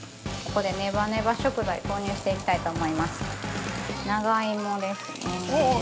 ◆ここで、ねばねば食材を投入していきたいと思います。